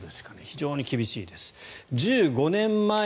非常に厳しいです。